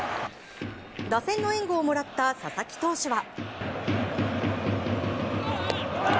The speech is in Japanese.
打線の援護をもらった佐々木投手は。